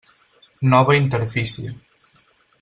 Nova interfície.